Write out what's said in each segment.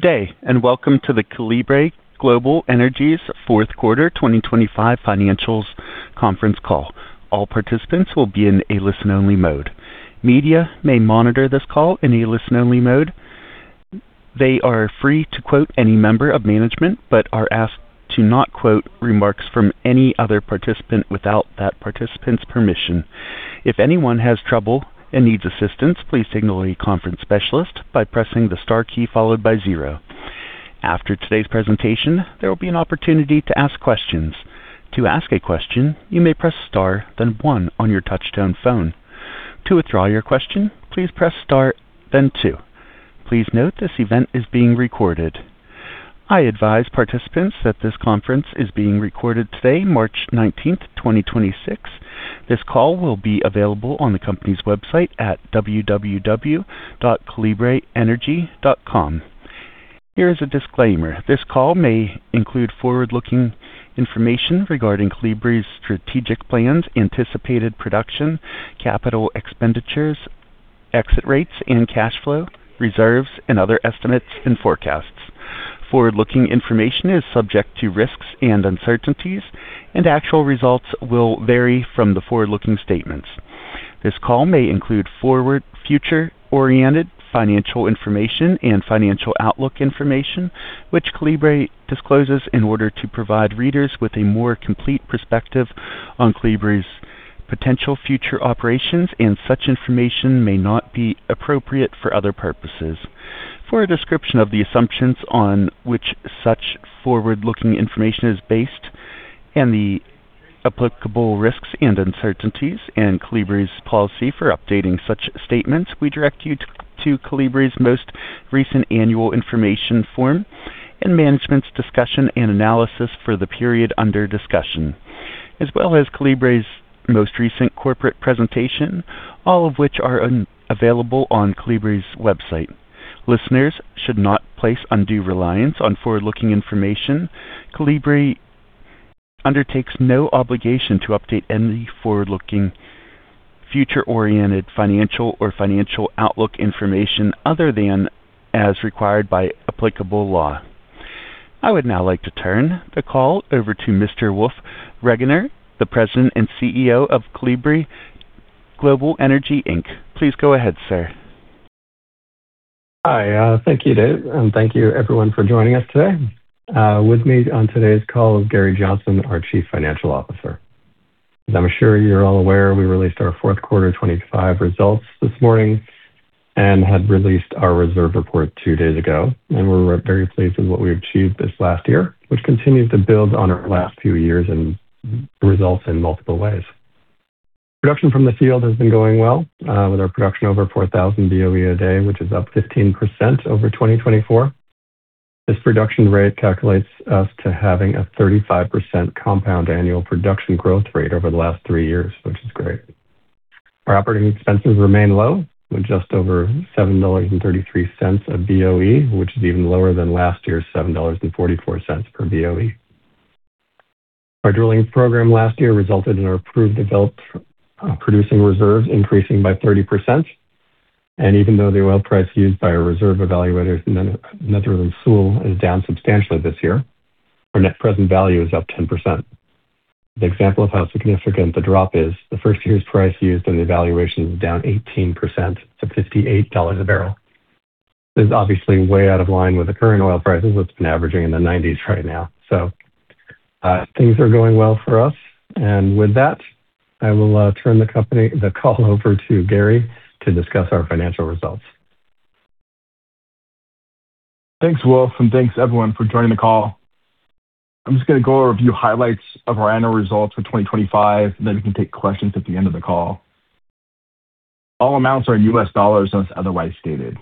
Good day, welcome to the Kolibri Global Energy's Q4 2025 financials conference call. All participants will be in a listen-only mode. Media may monitor this call in a listen-only mode. They are free to quote any member of management, but are asked to not quote remarks from any other participant without that participant's permission. If anyone has trouble and needs assistance, please signal a conference specialist by pressing the star key followed by zero. After today's presentation, there will be an opportunity to ask questions. To ask a question, you may press star, then one on your touchtone phone. To withdraw your question, please press star, then two. Please note this event is being recorded. I advise participants that this conference is being recorded today, March 19th 2026. This call will be available on the company's website at www.kolibrienergy.com. Here is a disclaimer. This call may include forward-looking information regarding Kolibri's strategic plans, anticipated production, capital expenditures, exit rates and cash flow, reserves and other estimates and forecasts. Forward-looking information is subject to risks and uncertainties, and actual results will vary from the forward-looking statements. This call may include forward, future-oriented financial information and financial outlook information, which Kolibri discloses in order to provide readers with a more complete perspective on Kolibri's potential future operations, and such information may not be appropriate for other purposes. For a description of the assumptions on which such forward-looking information is based and the applicable risks and uncertainties and Kolibri's policy for updating such statements, we direct you to Kolibri's most recent annual information form and management's discussion and analysis for the period under discussion. As well as Kolibri's most recent corporate presentation, all of which are available on Kolibri's website. Listeners should not place undue reliance on forward-looking information. Kolibri undertakes no obligation to update any forward-looking, future-oriented financial or financial outlook information other than as required by applicable law. I would now like to turn the call over to Mr. Wolf Regener, the President and CEO of Kolibri Global Energy Inc. Please go ahead, sir. Hi. Thank you, Dave, and thank you everyone for joining us today. With me on today's call is Gary Johnson, our Chief Financial Officer. As I'm sure you're all aware, we released our Q4 2025 results this morning and had released our reserve report two days ago. We're very pleased with what we achieved this last year, which continues to build on our last few years and results in multiple ways. Production from the field has been going well, with our production over 4,000 BOE a day, which is up 15% over 2024. This production rate calculates us to having a 35% compound annual production growth rate over the last three years, which is great. Our operating expenses remain low with just over $7.33 a BOE, which is even lower than last year's $7.44 per BOE. Our drilling program last year resulted in our approved developed producing reserves increasing by 30%. Even though the oil price used by our reserve evaluators in Netherland, Sewell is down substantially this year, our net present value is up 10%. The example of how significant the drop is, the first year's price used in the evaluation is down 18% to $58 a barrel. This is obviously way out of line with the current oil prices that have been averaging in the 90s right now. Things are going well for us. With that, I will turn the call over to Gary to discuss our financial results. Thanks, Wolf, and thanks everyone for joining the call. I'm just gonna go over a few highlights of our annual results for 2025, and then we can take questions at the end of the call. All amounts are in U.S. dollars, unless otherwise stated.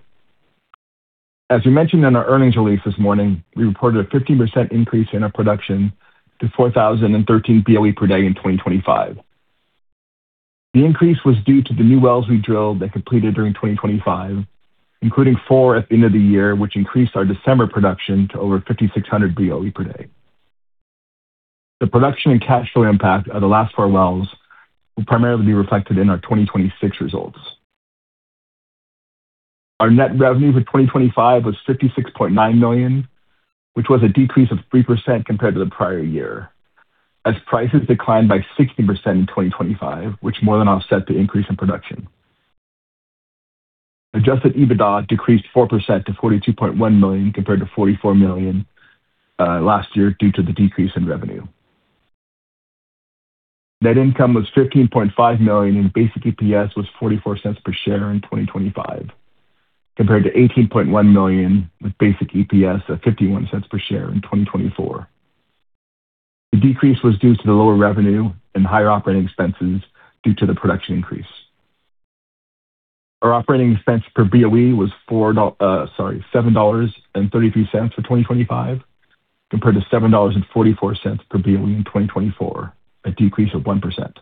As we mentioned in our earnings release this morning, we reported a 15% increase in our production to 4,013 BOE per day in 2025. The increase was due to the new wells we drilled that completed during 2025, including four at the end of the year, which increased our December production to over 5,600 BOE per day. The production and cash flow impact of the last four wells will primarily be reflected in our 2026 results. Our net revenue for 2025 was $56.9 million, which was a decrease of 3% compared to the prior year. Prices declined by 60% in 2025, which more than offset the increase in production. Adjusted EBITDA decreased 4% to $42.1 million compared to $44 million last year due to the decrease in revenue. Net income was $15.5 million and basic EPS was $0.44 per share in 2025 compared to $18.1 million with basic EPS of $0.51 per share in 2024. The decrease was due to the lower revenue and higher operating expenses due to the production increase. Our operating expense per BOE was $7.33 for 2025 compared to $7.44 per BOE in 2024, a decrease of 1%.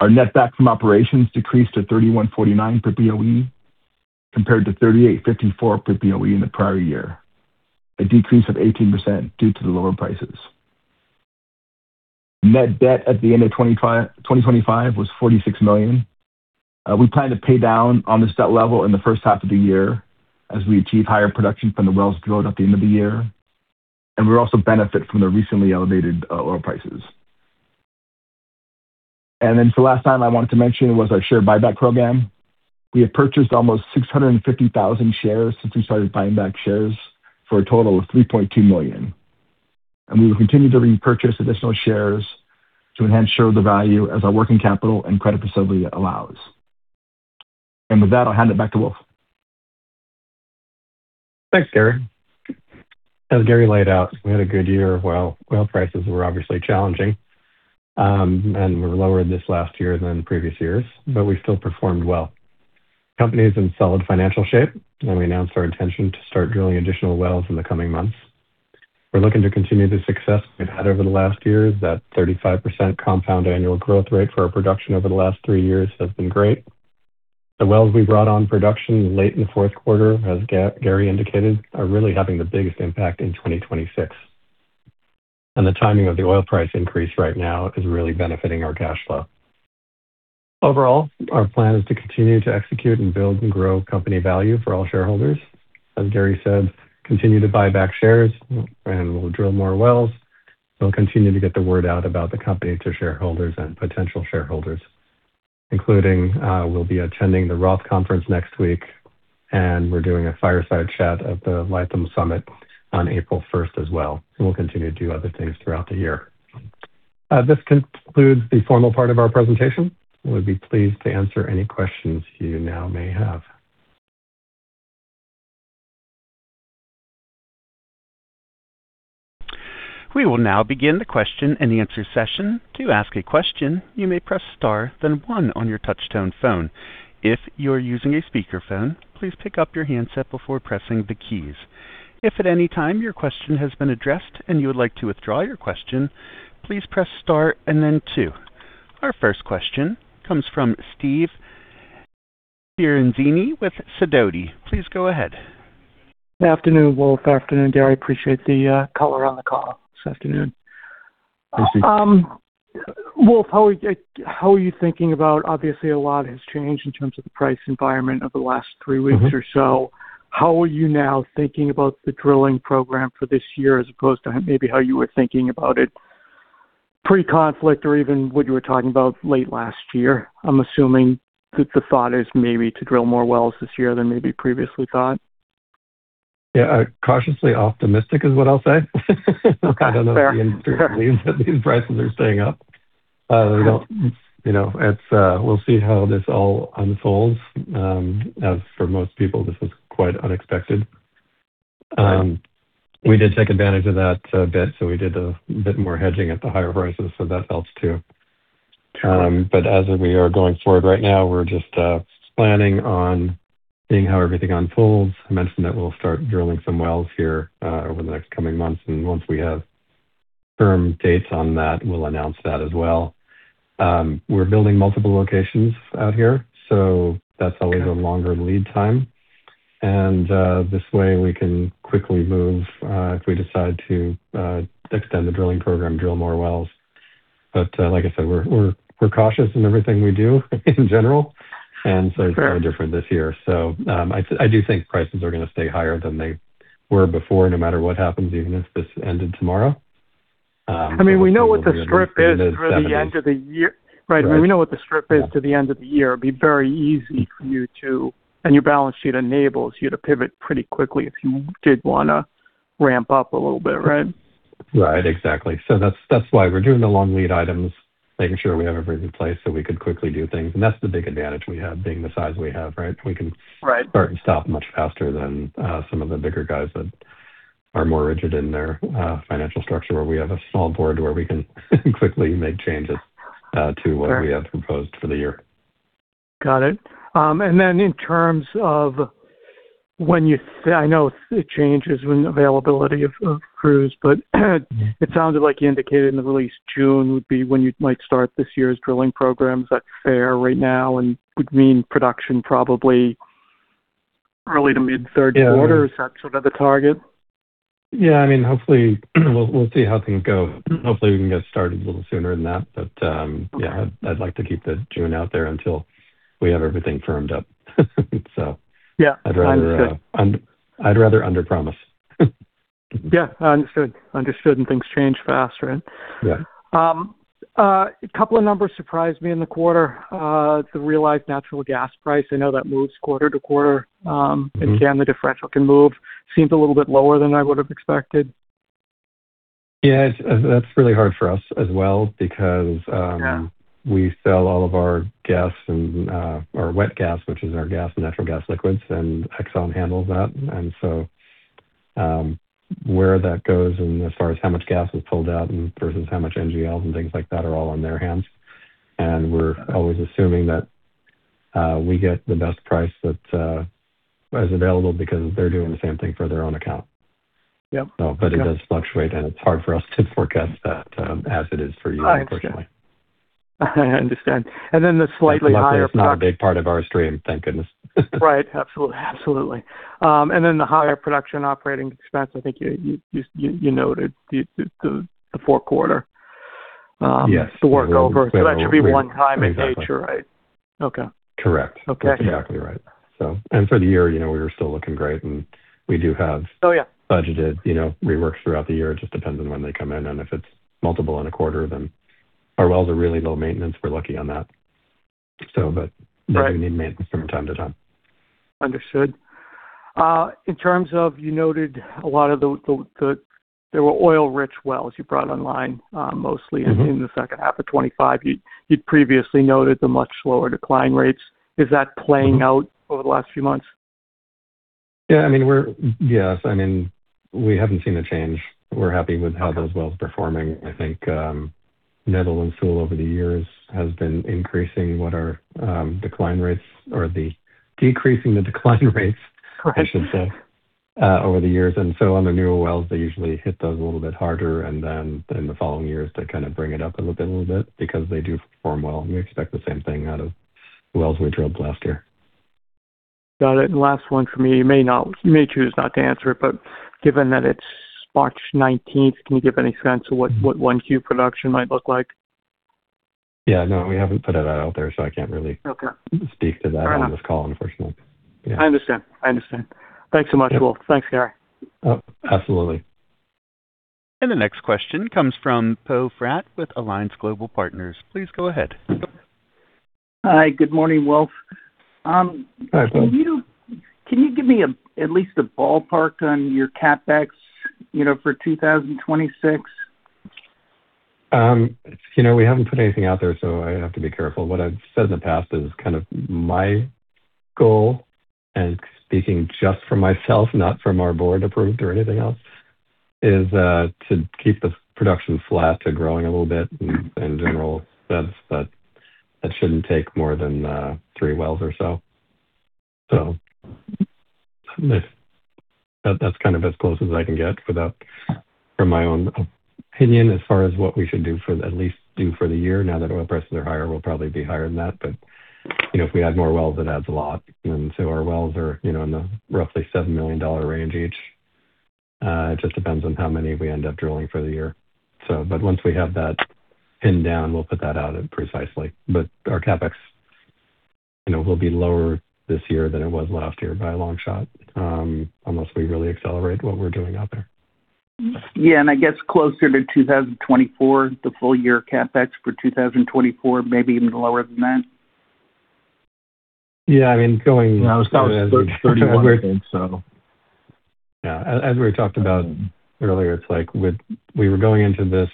Our netback from operations decreased to $31.49 per BOE compared to $38.54 per BOE in the prior year, a decrease of 18% due to the lower prices. Net debt at the end of 2025 was $46 million. We plan to pay down on this debt level in the first half of the year as we achieve higher production from the wells drilled at the end of the year. We also benefit from the recently elevated oil prices. Then the last item I wanted to mention was our share buyback program. We have purchased almost 650,000 shares since we started buying back shares for a total of $3.2 million. We will continue to repurchase additional shares to enhance shareholder value as our working capital and credit facility allows. With that, I'll hand it back to Wolf. Thanks, Gary. As Gary laid out, we had a good year. Well, oil prices were obviously challenging, and were lower this last year than previous years, but we still performed well. Company is in solid financial shape, and we announced our intention to start drilling additional wells in the coming months. We're looking to continue the success we've had over the last years, that 35% compound annual growth rate for our production over the last three years has been great. The wells we brought on production late in the Q4, as Gary indicated, are really having the biggest impact in 2026. The timing of the oil price increase right now is really benefiting our cash flow. Overall, our plan is to continue to execute and build and grow company value for all shareholders. As Gary said, continue to buy back shares and we'll drill more wells. We'll continue to get the word out about the company to shareholders and potential shareholders, including, we'll be attending the ROTH Conference next week, and we're doing a fireside chat at the Lithium Summit on April 1st as well. We'll continue to do other things throughout the year. This concludes the formal part of our presentation. We'll be pleased to answer any questions you now may have. We will now begin the question and answer session. To ask a question, you may press star, then one on your touchtone phone. If you're using a speakerphone, please pick up your handset before pressing the keys. If at any time your question has been addressed and you would like to withdraw your question, please press star and then two. Our first question comes from Steve Ferazani with Sidoti. Please go ahead. Good afternoon, Wolf. Afternoon, Gary. I appreciate the color on the call this afternoon. Hi, Steve. Wolf, how are you, how are you thinking about, obviously a lot has changed in terms of the price environment over the last three weeks or so. How are you now thinking about the drilling program for this year as opposed to maybe how you were thinking about it pre-conflict or even what you were talking about late last year? I'm assuming that the thought is maybe to drill more wells this year than maybe previously thought. Yeah. Cautiously optimistic is what I'll say. Okay. Fair. I don't know if the industry believes that these prices are staying up. We don't, you know, it's, we'll see how this all unfolds. As for most people, this is quite unexpected. We did take advantage of that a bit. We did a bit more hedging at the higher prices, so that helps too. As we are going forward right now, we're just planning on seeing how everything unfolds. I mentioned that we'll start drilling some wells here over the next coming months, and once we have firm dates on that, we'll announce that as well. We're building multiple locations out here, so that's always a longer lead time. This way we can quickly move if we decide to extend the drilling program, drill more wells. Like I said, we're cautious in everything we do in general, and so it's probably different this year. I do think prices are going to stay higher than they were before, no matter what happens, even if this ended tomorrow. I mean, we know what the strip is to the end of the year, right? Your balance sheet enables you to pivot pretty quickly if you did want to ramp up a little bit, right? Right. Exactly. That's why we're doing the long lead items, making sure we have everything in place so we could quickly do things. That's the big advantage we have, being the size we have, right? We can- Right. Start and stop much faster than some of the bigger guys that are more rigid in their financial structure, where we have a small board where we can quickly make changes to what we have proposed for the year. Got it. In terms of, I know it changes when availability of crews, but it sounded like you indicated in the release June would be when you might start this year's drilling programs. Is that fair right now? Would mean production probably early to mid-Q3. Is that sort of the target? Yeah, I mean, hopefully. We'll see how things go. Hopefully, we can get started a little sooner than that. Yeah, I'd like to keep the June out there until we have everything firmed up. Yeah. I'd rather underpromise. Yeah. Understood. Things change fast, right? Yeah. A couple of numbers surprised me in the quarter. The realized natural gas price. I know that moves quarter-to-quarter. Again, the differential can move. Seems a little bit lower than I would have expected. Yeah. That's really hard for us as well because- Yeah. We sell all of our gas and our wet gas, which is our gas and natural gas liquids, and Exxon handles that. Where that goes and as far as how much gas is pulled out versus how much NGLs and things like that are all on their hands. We're always assuming that we get the best price that is available because they're doing the same thing for their own account. Yep. It does fluctuate, and it's hard for us to forecast that, as it is for you, unfortunately. I understand. Luckily, it's not a big part of our stream, thank goodness. Right. Absolutely. The higher production operating expense, I think you noted the Q4. Yes. The workover. That should be one-time engagement, right? Okay. Correct. Okay. That's exactly right. For the year, you know, we were still looking great, and we do have- Oh, yeah. Budgeted, you know, reworks throughout the year. It just depends on when they come in, and if it's multiple in a quarter, then our wells are really low maintenance. We're lucky on that. Right. They do need maintenance from time to time. Understood. In terms of, you noted a lot of the there were oil-rich wells you brought online, mostly. Mm-hmm. In the second half of 2025. You'd previously noted the much slower decline rates. Is that playing out over the last few months? Yeah. I mean, we haven't seen a change. We're happy with how those wells performing. I think, Netherland, Sewell over the years has been increasing what our decline rates or decreasing the decline rates- Right. I should say over the years. On the newer wells, they usually hit those a little bit harder, and then in the following years, they kinda bring it up a little bit because they do perform well. We expect the same thing out of wells we drilled last year. Got it. Last one for me. You may choose not to answer, but given that it's March 19th, can you give any sense of what 1Q production might look like? Yeah. No, we haven't put it out there, so I can't really. Okay. Speak to that on this call, unfortunately. Yeah. I understand. Thanks so much, Wolf. Thanks, Gary. Oh, absolutely. The next question comes from Poe Fratt with Alliance Global Partners. Please go ahead. Hi. Good morning, Wolf. Can you Hi, Poe. Can you give me at least a ballpark on your CapEx, you know, for 2026? You know, we haven't put anything out there, so I have to be careful. What I've said in the past is kind of my goal, and speaking just for myself, not from our board-approved or anything else, is to keep the production flat to growing a little bit in general. That shouldn't take more than three wells or so. That's kind of as close as I can get, from my own opinion, as far as what we should do for the year. Now that oil prices are higher, we'll probably be higher than that. You know, if we add more wells, it adds a lot. Our wells are, you know, in the roughly $7 million range each. It just depends on how many we end up drilling for the year, so. Once we have that pinned down, we'll put that out precisely. Our CapEx, you know, will be lower this year than it was last year by a long shot, unless we really accelerate what we're doing out there. Yeah. I guess closer to 2024, the full year CapEx for 2024, maybe even lower than that. Yeah. I mean, yeah. As we talked about earlier, it's like with we were going into this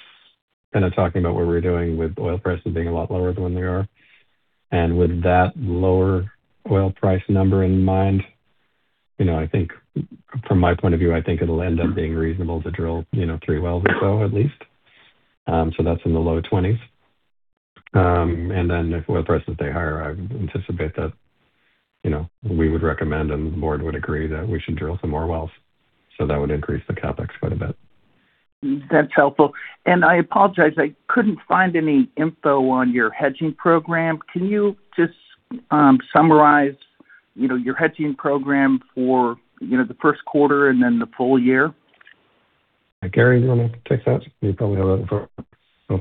kinda talking about what we were doing with oil prices being a lot lower than they are. With that lower oil price number in mind, you know, I think from my point of view, I think it'll end up being reasonable to drill, you know, three wells or so at least. That's in the low 20s. Then if oil prices stay higher, I anticipate that, you know, we would recommend and the board would agree that we should drill some more wells. That would increase the CapEx quite a bit. That's helpful. I apologize, I couldn't find any info on your hedging program. Can you just summarize, you know, your hedging program for, you know, the Q1 and then the full year? Gary, do you wanna take that? You probably have that in front of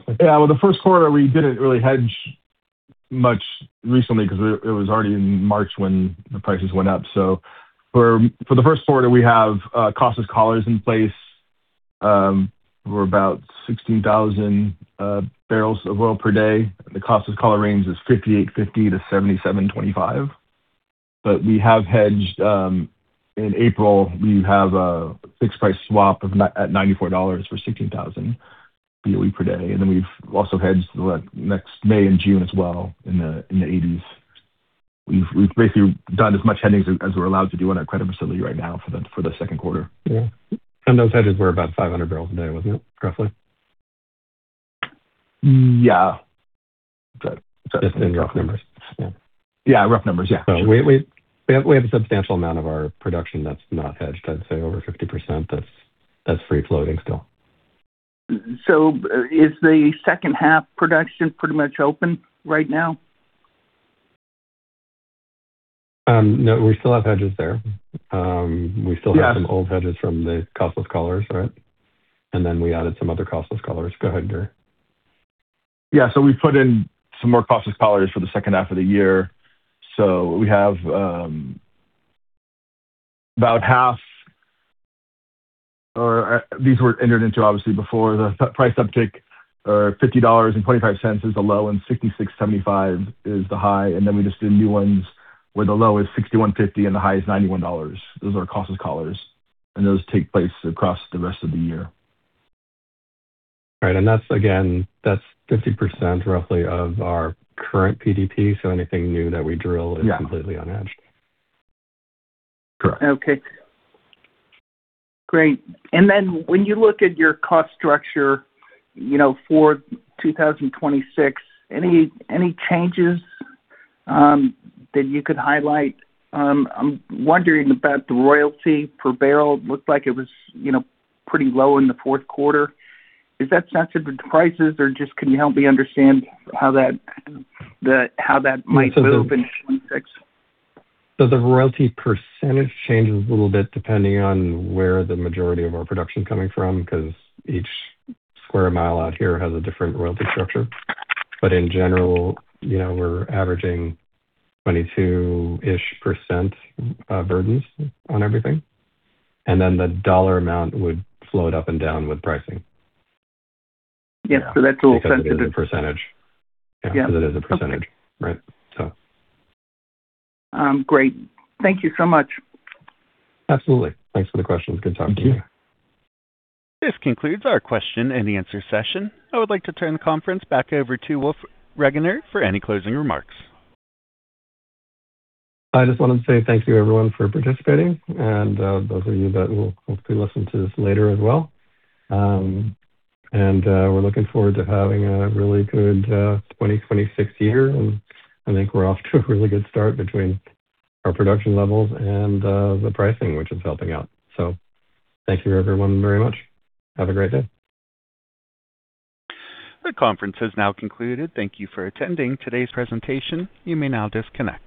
you. Yeah. Well, the Q1, we didn't really hedge much recently 'cause it was already in March when the prices went up. For the Q1, we have costless collars in place. We're about 16,000 barrels of oil per day. The costless collar range is $58.50-$77.25. But we have hedged in April, we have a fixed price swap at $94 for 16,000 BOE per day. And then we've also hedged, like, next May and June as well in the 80s. We've basically done as much hedging as we're allowed to do on our credit facility right now for the Q2. Yeah. Those hedges were about 500 barrels a day, wasn't it, roughly? Yeah. Just in rough numbers. Yeah. Yeah, rough numbers. Yeah. We have a substantial amount of our production that's not hedged. I'd say over 50% that's free floating still. Is the second half production pretty much open right now? No, we still have hedges there. Yes. We still have some old hedges from the costless collars, right? We added some other costless collars. Go ahead, Gary. Yeah. We put in some more costless collars for the second half of the year. We have about half of these were entered into obviously before the price uptick. $50.25 is the low and $66.75 is the high. We just did new ones where the low is $61.50 and the high is $91. Those are our costless collars, and those take place across the rest of the year. Right. That's 50% roughly of our current PDP. Anything new that we drill. Yeah. Is completely unhedged. Correct. Okay. Great. Then when you look at your cost structure, you know, for 2026, any changes that you could highlight? I'm wondering about the royalty per barrel. Looked like it was, you know, pretty low in the Q4. Is that just because of the prices or just can you help me understand how that might move in 2026? The royalty percentage changes a little bit depending on where the majority of our production coming from, because each square mile out here has a different royalty structure. In general, you know, we're averaging 22-ish% burdens on everything. Then the dollar amount would float up and down with pricing. Yes. That's all. Because it is a percentage. Yeah. Because it is a percentage. Right. So. Great. Thank you so much. Absolutely. Thanks for the questions. Good talking to you. This concludes our question and answer session. I would like to turn the conference back over to Wolf Regener for any closing remarks. I just wanted to say thank you, everyone, for participating and those of you that will hopefully listen to this later as well. We're looking forward to having a really good 2026 year, and I think we're off to a really good start between our production levels and the pricing, which is helping out. Thank you everyone very much. Have a great day. The conference has now concluded. Thank you for attending today's presentation. You may now disconnect.